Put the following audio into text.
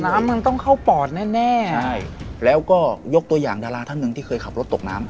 น้ำมันต้องเข้าปอดแน่แน่ใช่แล้วก็ยกตัวอย่างดาราท่านหนึ่งที่เคยขับรถตกน้ำ